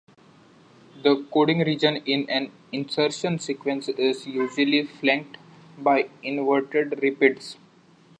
The coding region in an insertion sequence is usually flanked by inverted repeats.